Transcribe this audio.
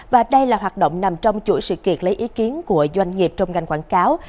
và đây là hoạt động nằm trong chuỗi sự kiện lấy ý kiến của doanh nghiệp trong ngành quảng cáo